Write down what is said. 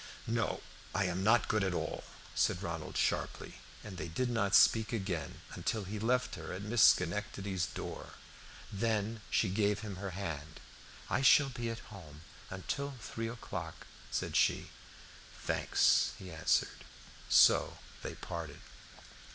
"No, I am not good at all," said Ronald sharply, and they did not speak again until he left her at Miss Schenectady's door. Then she gave him her hand. "I shall be at home until three o'clock," said she. "Thanks," he answered; so they parted.